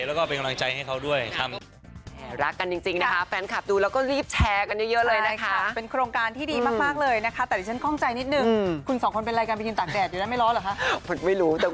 แล้วก็เป็นกำลังใจให้เขาด้วยครับ